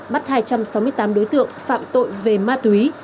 bắt hai trăm sáu mươi tám đối tượng phạm tội về ma túy